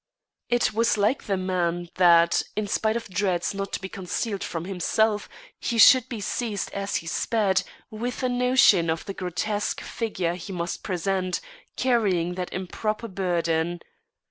It was like the man that, in spite of dreads not to be concealed from himself, he should be seized as he sped with a notion of the grotesque figure he must present, carrying that improper burden.